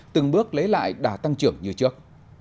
từng bước lấy lại đã tăng trưởng như trước